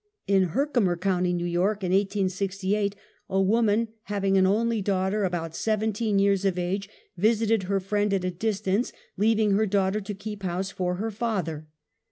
In Herkimer county, K Y., in 1868, a woman having an only daughter about seventeen years of age visited her friend at a distance, leaving her daughter to keep house for her father.